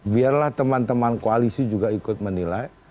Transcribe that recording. biarlah teman teman koalisi juga ikut menilai